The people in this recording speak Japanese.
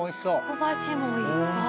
小鉢もいっぱい。